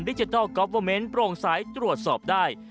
ดิจิทัลกอลเวอร์เมนต์โปร่งสายตรวจสอบได้